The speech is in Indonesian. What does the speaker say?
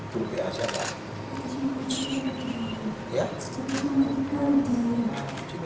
dari krian jawa timur